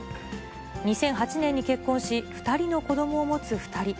２００８年に結婚し、２人の子どもを持つ二人。